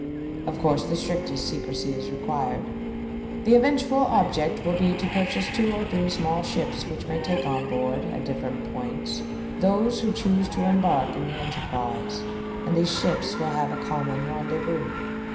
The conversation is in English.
Of course the strictest secresy is required. The eventual object will be to purchase two or three small ships which may take on board, at different points, those who choose to embark in the enterprise; and these ships will have a common rendezvous.